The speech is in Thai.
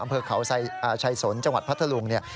อำเภอเขาชัยสนจังหวัดพัทธลุงเนี่ย